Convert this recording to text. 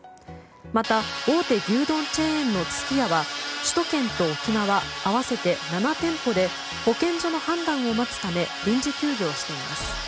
また大手牛丼チェーンのすき家は首都圏と沖縄、合わせて７店舗で保健所の判断を待つため臨時休業しています。